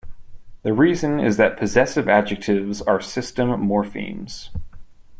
The reason is that possessive adjectives are system morphemes.